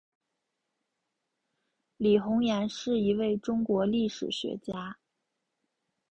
李洪岩是一位中国历史学家。